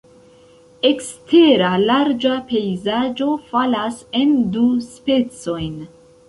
Ekstera larĝa pejzaĝo falas en du specojn.